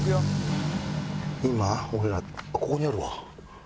今俺らここにあるわ。